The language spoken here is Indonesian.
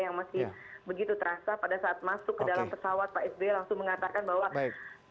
yang masih begitu terasa pada saat masuk ke dalam pesawat pak sby langsung mengatakan bahwa